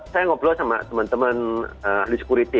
saya ngobrol sama teman teman ahli security